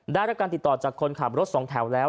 ได้รับการติดต่อจากคนขับรถสองแถวแล้ว